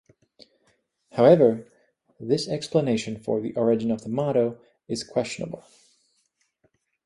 However, this explanation for the origin of the motto is questionable.